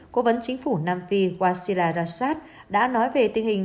cố vấn chính phủ nam phi wasila rashad đã nói về tình hình